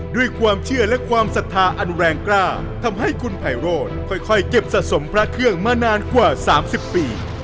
ด้วยความเชื่อและความศรัทธาอันแรงกล้าทำให้คุณไพโรธค่อยเก็บสะสมพระเครื่องมานานกว่า๓๐ปี